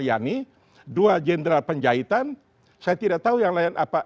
yani dua jenderal penjahitan saya tidak tahu yang lain apa